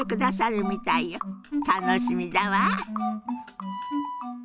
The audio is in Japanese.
楽しみだわ。